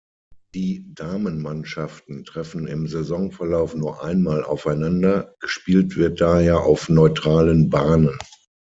Die Damenmannschaften treffen im Saisonverlauf nur einmal aufeinander; gespielt wird daher auf neutralen Bahnen.